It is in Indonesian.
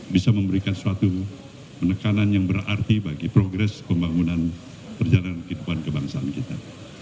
bisa memberikan suatu penekanan yang berarti bagi progres pembangunan perjalanan kehidupan kebangsaan kita